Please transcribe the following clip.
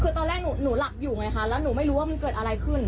คือตอนแรกหนูหลับอยู่ไงคะแล้วหนูไม่รู้ว่ามันเกิดอะไรขึ้น